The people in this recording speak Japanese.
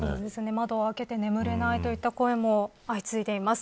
窓を開けて眠れないとの声も相次いでいます。